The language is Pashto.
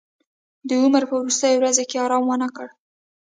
د عمر په وروستیو ورځو کې ارام ونه کړ.